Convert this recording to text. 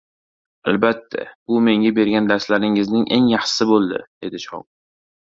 – Albatta! Bu menga bergan darslaringizning eng yaxshisi boʻldi, – dedi shogird.